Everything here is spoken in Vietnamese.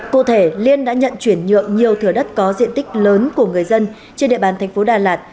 cụ thể liên đã nhận chuyển nhượng nhiều thừa đất có diện tích lớn của người dân trên địa bàn thành phố đà lạt